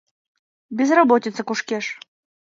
Безработица кушкеш.